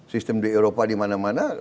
sistem di eropa di mana mana